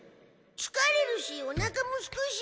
つかれるしおなかもすくし。